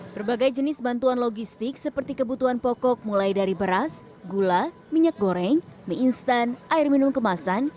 berbagai jenis bantuan logistik seperti kebutuhan pokok mulai dari beras gula minyak goreng mie instan air minum kemasan